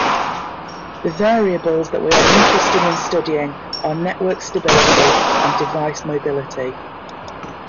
The variables that we are interested in studying are network stability and device mobility.